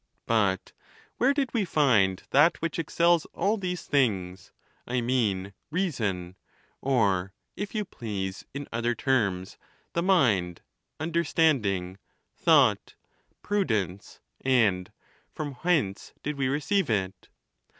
VII. But where did we find that which excels all these things — I mean reason, or (if you please, in other terms) the mind, understanding, thought, prudence ; and from whence did we receive it?